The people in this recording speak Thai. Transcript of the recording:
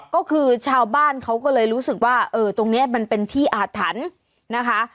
ก็คือชาวบ้านเขาก็เลยรู้สึกว่าเออตรงนี้มันเป็นที่อาถรรพ์นะคะ